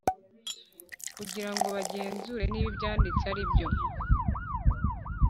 kugira ngo bagenzure niba ibyanditse aribyo